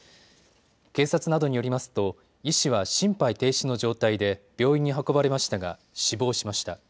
警察などによりますと医師は心肺停止の状態で病院に運ばれましたが死亡しました。